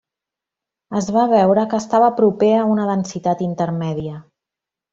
Es va veure que estava proper a una densitat intermèdia.